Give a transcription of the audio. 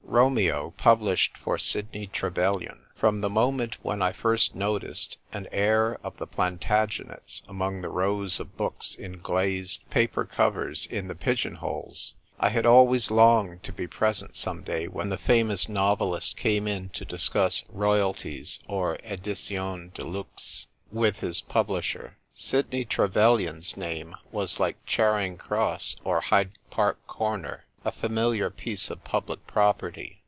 Romeo published for Sidney Trevelyan. From the moment when I first noticed "An Heir of the Fiantagenets" among the rows of books in glazed paper covers in the pigeon holes, I had always longed to be present some day when the famous novelist came in to discuss royalties or editions de luxe with his publisher. Sidney Trevelyan's name was like Charing Cross or Hyde Park Corner — a familiar piece of public property.